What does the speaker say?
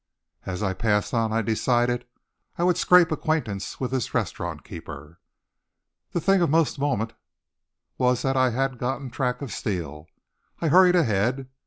As I passed on I decided I would scrape acquaintance with this restaurant keeper. The thing of most moment was that I had gotten track of Steele. I hurried ahead.